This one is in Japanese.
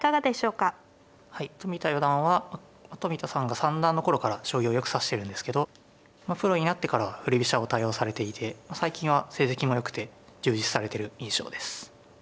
はい冨田四段は冨田さんが三段の頃から将棋をよく指してるんですけどプロになってからは振り飛車を多用されていて最近は成績もよくて充実されてる印象です。